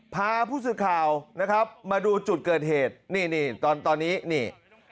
พาผู้สื่อข่าวนะครับมาดูจุดเกิดเหตุนี่นี่ตอนตอนนี้นี่